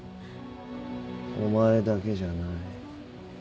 お前だけじゃない